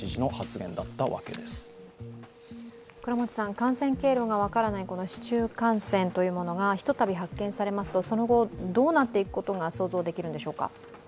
感染経路が分からない市中感染というものがひとたび発見されますと、その後どうなっていくことが想像できるんでしょうか？